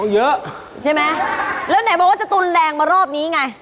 เยอะใช่ไหมแล้วไหนบอกว่าจะตุนแรงมารอบนี้ไง